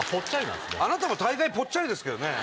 あなたも大概ポッチャリですけどね。